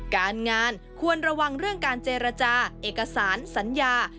การงานควรระวังเรื่องการเจรจาเอกสารสัญญา